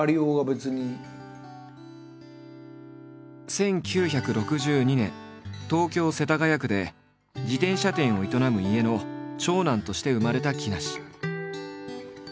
１９６２年東京世田谷区で自転車店を営む家の長男として生まれた木梨。